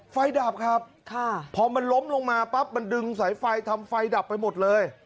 ดับครับพอมันล้มลงมาปั๊บมันดึงสายไฟทำไฟดับไปหมดเลย